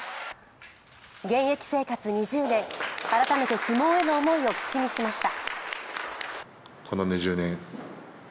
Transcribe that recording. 現役生活２０年、改めて相撲への思いを口にしました。